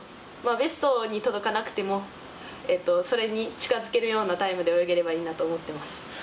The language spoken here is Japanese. ベストに届かなくてもそれに近づけるようなタイムで泳げればいいなと思ってます。